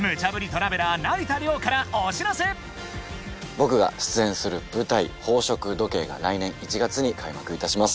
僕が出演する舞台『宝飾時計』が来年１月に開幕いたします。